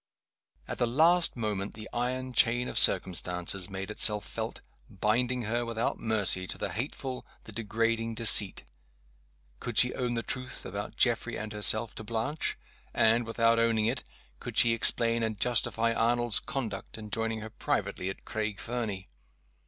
At the last moment the iron chain of circumstances made itself felt, binding her without mercy to the hateful, the degrading deceit. Could she own the truth, about Geoffrey and herself, to Blanche? and, without owning it, could she explain and justify Arnold's conduct in joining her privately at Craig Fernie?